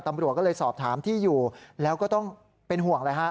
ตำรวจก็เลยสอบถามที่อยู่แล้วก็ต้องเป็นห่วงเลยฮะ